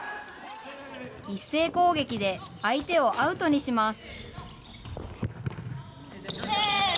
一斉攻撃で、相手をアウトにします。